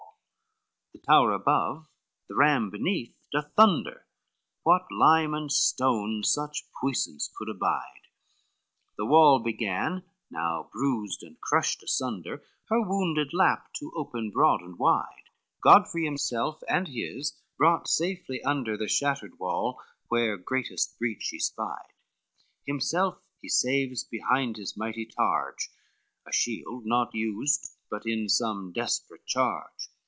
LI The tower above, the ram beneath doth thunder, What lime and stone such puissance could abide? The wall began, new bruised and crushed asunder, Her wounded lap to open broad and wide, Godfrey himself and his brought safely under The shattered wall, where greatest breach he spied, Himself he saves behind his mighty targe, A shield not used but in some desperate charge.